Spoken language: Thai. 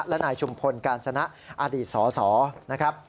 และนายชุมพลกาญชนะอดีตสสนะครับ